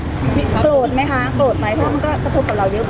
โกรธไหมคะโกรธไหมเพราะมันก็ถูกกับเรายุ่งกัน